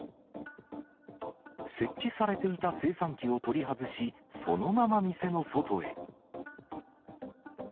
設置されていた精算機を取り外し、そのまま店の外へ。